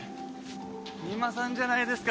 三馬さんじゃないですか。